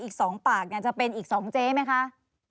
อีกสองปากนะจะเป็นสองเจ๊ไหมคะ